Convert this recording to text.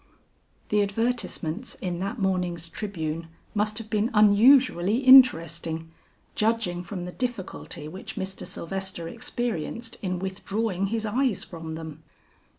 The advertisements in that morning's Tribune must have been unusually interesting, judging from the difficulty which Mr. Sylvester experienced in withdrawing his eyes from them.